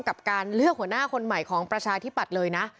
กับการเลือกหัวหน้าคนใหม่ของประชาธิปัตย์เลยนะ